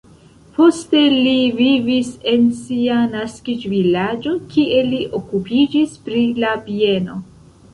Poste li vivis en sia naskiĝvilaĝo, kie li okupiĝis pri la bieno.